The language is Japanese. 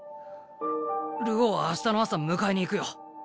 流鶯は明日の朝迎えに行くよ。